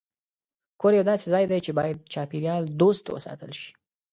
کور یو داسې ځای دی چې باید چاپېریال دوست وساتل شي.